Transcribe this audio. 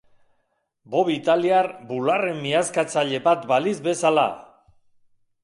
Bob italiar bularren miazkatzaile bat balitz bezala!